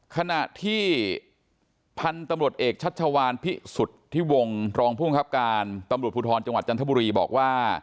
ขณะที่พันธุ์ตำรวจเอกชัชวานพิสุทธิวงศ์รองภูมิครับการตำรวจภูทรจังหวัดจันทบุรีบอกว่า